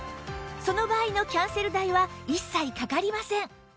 その場合のキャンセル代は一切かかりません